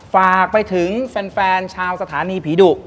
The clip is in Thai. ฝากไปถึงแฟนชาวสถานีผีดุ